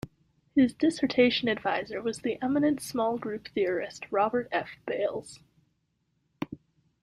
His dissertation advisor was the eminent small group theorist Robert F. Bales.